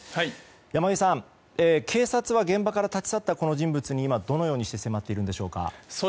山上さん、警察は現場から立ち去った、この人物にどのように迫っているのでしょうか。